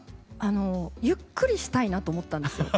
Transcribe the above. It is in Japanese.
ゆっくりしたいなと思ったんですよ。